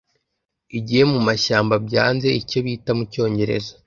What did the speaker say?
igihe mu mashyamba byanze, icyo bita mu Cyongereza